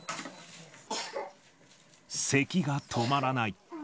せきが止まらない。